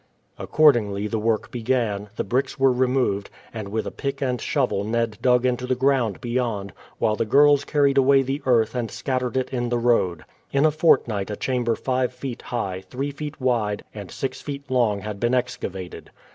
Accordingly the work began, the bricks were removed, and with a pick and shovel Ned dug into the ground beyond, while the girls carried away the earth and scattered it in the road. In a fortnight a chamber five feet high, three feet wide, and six feet long had been excavated.